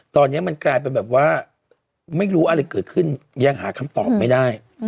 ตอนนี้มันกลายเป็นแบบว่าไม่รู้อะไรเกิดขึ้นยังหาคำตอบไม่ได้